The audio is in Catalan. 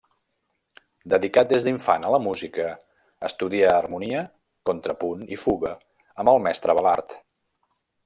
Dedicat des d'infant a la música, estudià harmonia, contrapunt i fuga amb el mestre Balart.